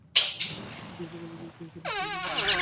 ইচ্ছা ছিল উপযুক্ত গুরুর সন্ধান পেলে মন্ত্র নেব!